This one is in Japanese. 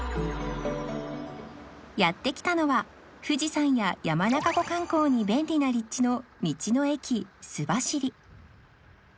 やって来たのは富士山や山中湖観光に便利な立地の道の駅すばしり